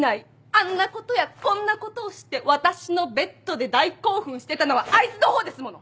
あんなことやこんなことをして私のベッドで大興奮してたのはあいつの方ですもの！